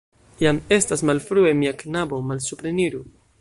Jam estas malfrue, mia knabo, malsupreniru.